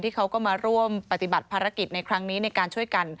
เขาก็มาร่วมปฏิบัติภารกิจในครั้งนี้ในการช่วยกัน